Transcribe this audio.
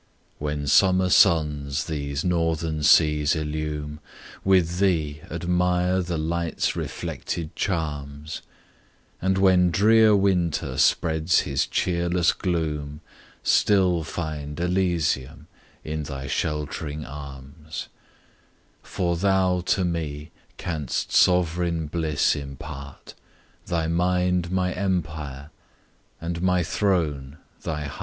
When Summer suns these Northern seas illume, With thee admire the light's reflected charms, And when drear Winter spreads his cheerless gloom, Still find Elysium in thy shelt'ring arms: For thou to me canst sovereign bliss impart, Thy mind my empire and my throne thy heart.